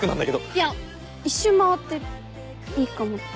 いや一周回っていいかもって。